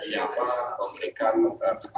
siapa pemeriksaan tentang apa